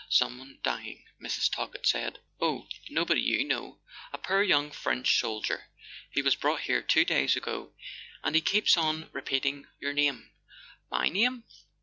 "Someone dying," Mrs. Talkett said. "Oh, nobody you know—a poor young French soldier. He was brought here two days ago ... and he keeps on re¬ peating your name.. "My name?